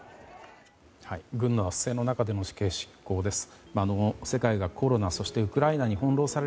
軍の圧政の中での死刑執行です。